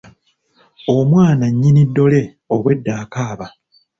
Omwana nnyini ddole obwedda akaaba.